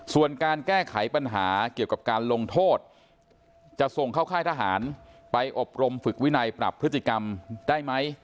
ส่วนการแก้ไขปัญหาเกี่ยวกับการลงโทษจะส่งเข้าค่ายทหารไปอบรมฝึกวินัยปรับพฤติกรรมได้ไหม